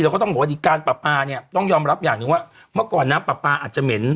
ก็ต้องบอกว่าดีการปลาปลาเนี่ยต้องยอมรับอย่างหนึ่งว่าเมื่อก่อนน้ำปลาปลาอาจจะเหม็น